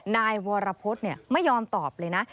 นายวรพฤษไม่ยอมตอบเลยนะ